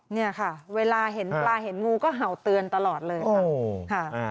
เนี่ยค่ะเวลาเห็นปลาเห็นงูก็เห่าเตือนตลอดเลยค่ะ